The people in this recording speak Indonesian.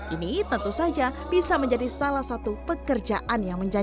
ini tentu saja bisa menjadi salah satu pekerjaan yang menjadikan